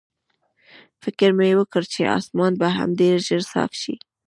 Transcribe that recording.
فکر مې وکړ چې اسمان به هم ډېر ژر صاف شي.